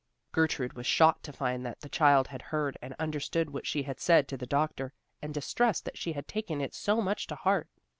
Gertrude was shocked to find that the child had heard and understood what she had said to the doctor, and distressed that she had taken it so much to heart.